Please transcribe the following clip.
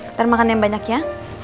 kita makan yang banyak ya